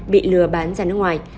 bị lừa bán ra nước ngoài